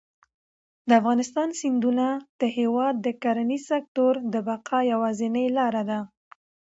د افغانستان سیندونه د هېواد د کرنیز سکتور د بقا یوازینۍ لاره ده.